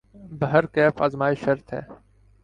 بہرکیف آزمائش شرط ہے ۔